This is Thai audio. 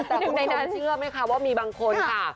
แต่คุณนายนาเชื่อไหมคะว่ามีบางคนค่ะ